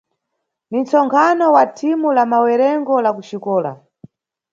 Ni nʼtsonkhano wa thimu la mawerengo la kuxikola.